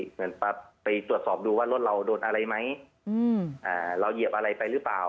เหมือนไปตรวจสอบดูว่ารถเราโดนอะไรไหมเราเหยียบอะไรไปหรือเปล่า